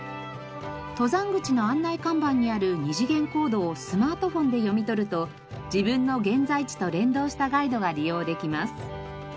登山口の案内看板にある二次元コードをスマートフォンで読み取ると自分の現在地と連動したガイドが利用できます。